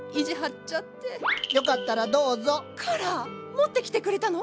持ってきてくれたの？